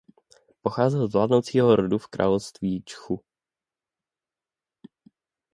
Pocházel z vládnoucího rodu v království Čchu.